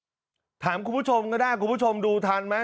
อืมถามคุณผู้ชมก็ได้คุณผู้ชมดูทันมั้ย